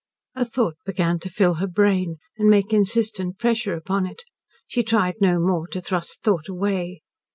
A thought began to fill her brain, and make insistent pressure upon it. She tried no more to thrust thought away.